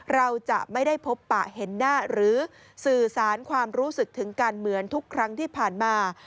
เราจะไม่ได้พบปะเห็นหน้าหรือสื่อสารความรู้สึกถึงกันเหมือนทุกครั้งที่ผ่านมา